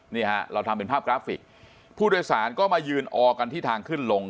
นี่ฮะเราทำเป็นภาพกราฟิกผู้โดยสารก็มายืนออกันที่ทางขึ้นลง